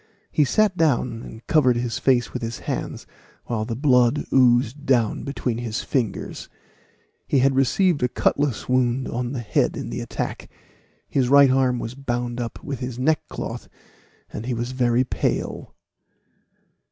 He sat down and covered his face with his hands, while the blood oozed down between his fingers. He had received a cutlass wound on the head in the attack. His right arm was bound up with his neckcloth, and he was very pale.